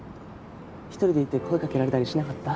一人でいて声掛けられたりしなかった？